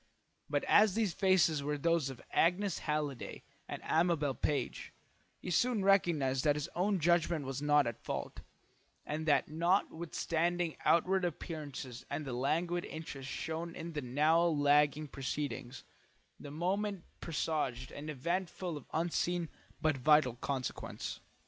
But as these faces were those of Agnes Halliday and Amabel Page, he soon recognised that his own judgment was not at fault, and that notwithstanding outward appearances and the languid interest shown in the now lagging proceedings, the moment presaged an event full of unseen but vital consequence.